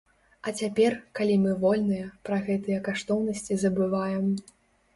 А цяпер, калі мы вольныя, пра гэтыя каштоўнасці забываем.